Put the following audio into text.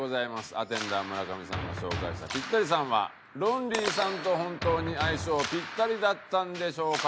アテンダー村上さんが紹介したピッタリさんはロンリーさんと本当に相性ピッタリだったんでしょうか。